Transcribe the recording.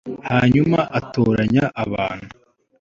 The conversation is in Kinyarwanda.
hanyuma atoranya abantu